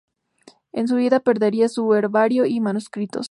En su huida perdería su herbario y manuscritos.